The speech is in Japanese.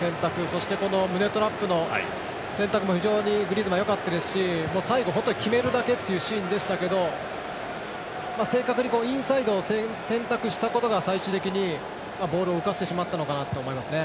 そして胸トラップの選択も非常にグリーズマンはよかったですし最後、本当に決めるだけというシーンでしたけどもインサイドを選択したことが最終的にボールを浮かしてしまったのかなと思います。